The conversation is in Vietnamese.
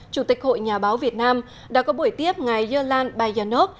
chủ tịch hội nhà báo việt nam đã có buổi tiếp ngày yerlan bayanok